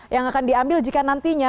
yang akan diambil jika nantinya